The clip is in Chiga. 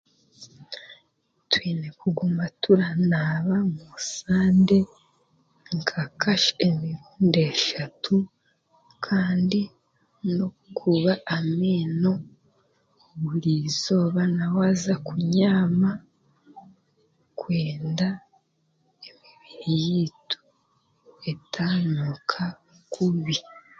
twine kuguma turanaaba mu sande nka kasha emirundi eshatu kandi n'okukuuba amaino burizooba na waaza kunyaama kwenda emibiri yaitu etaanuuka kubi